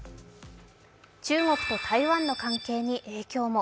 中国と台湾の関係に影響も。